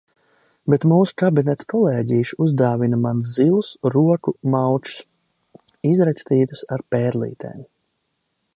Bet mūsu kabineta kolēģīši uzdāvina man zilus roku maučus, izrakstītus ar pērlītēm.